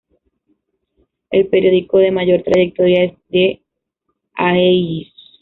El periódico de mayor trayectoria es The Aegis.